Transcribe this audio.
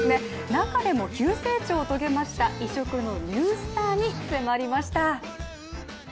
中でも急成長を遂げました異色のニュースターに迫りました。